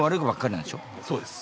そうです。